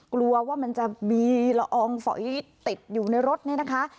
กลัวว่ามันจะมีละอองฝอยติดอยู่ในรถนี่นะคะ